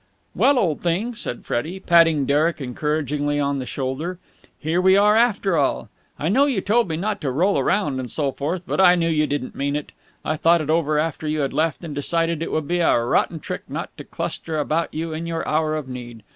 "Well, old thing," said Freddie, patting Derek encouragingly on the shoulder, "here we are after all! I know you told me not to roll round and so forth, but I knew you didn't mean it. I thought it over after you had left, and decided it would be a rotten trick not to cluster about you in your hour of need.